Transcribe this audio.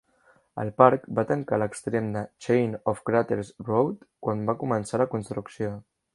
El parc va tancar l'extrem de Chain of Craters Road quan va començar la construcció.